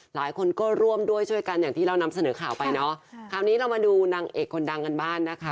หลายคนก็ร่วมด้วยช่วยกันอย่างที่เรานำเสนอข่าวไปเนาะคราวนี้เรามาดูนางเอกคนดังกันบ้างนะคะ